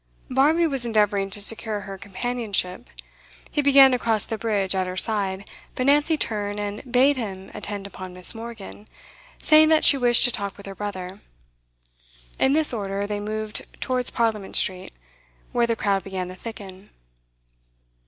Barmby was endeavouring to secure her companionship. He began to cross the bridge at her side, but Nancy turned and bade him attend upon Miss. Morgan, saying that she wished to talk with her brother. In this order they moved towards Parliament Street, where the crowd began to thicken.